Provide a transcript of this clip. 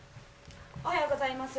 おはようございます。